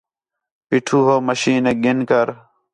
پیٹھو ہو مشینیک گِھن کر